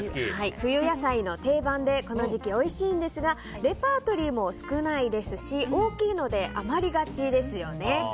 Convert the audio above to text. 冬野菜の定番でこの時期おいしいんですがレパートリーも少ないですし大きいので余りがちですよね。